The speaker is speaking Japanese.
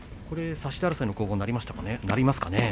差し手争いの攻防になりますかね。